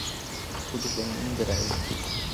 Tudo bem em breve.